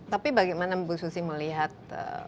tapi bagaimana bu susi melihat